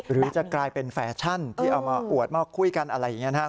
หรือจะกลายเป็นแฟชั่นที่เอามาอวดมาคุยกันอะไรอย่างนี้นะครับ